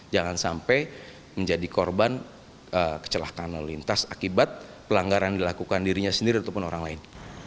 jangan sampai menjadi korban kecelakaan lintas akibat pelanggaran yang dilakukan dirinya sendiri ataupun orang lain